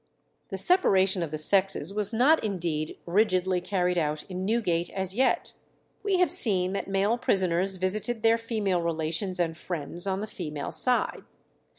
The separation of the sexes was not indeed rigidly carried out in Newgate as yet. We have seen that male prisoners visited their female relations and friends on the female side.